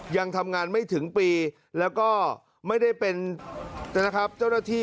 ยังทำงานไม่ถึงปีแล้วก็ไม่ได้เป็นนะครับเจ้าหน้าที่